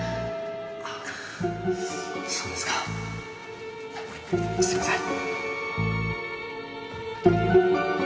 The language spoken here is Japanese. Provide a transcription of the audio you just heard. そうですかすみません。